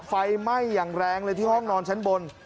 ไฟไหม้อย่างแรงเลยที่ห้องนอนชั้นบน